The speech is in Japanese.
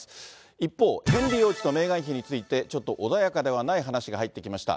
一方、ヘンリー王子とメーガン妃について、ちょっと穏やかではない話が入ってきました。